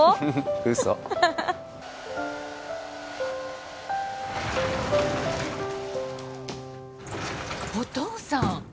ウソお父さん！